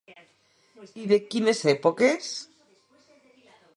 I de quines èpoques?